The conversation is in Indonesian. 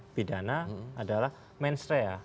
mana pelanggaran pidana adalah mens rea